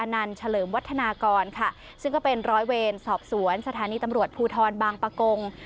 นันเฉลิมวัฒนากรค่ะซึ่งก็เป็นร้อยเวรสอบสวนสถานีตำรวจภูทรบางปะกง